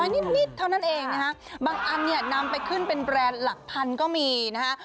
นิดเท่านั้นเองนะฮะบางอันเนี่ยนำไปขึ้นเป็นแบรนด์หลักพันก็มีนะฮะ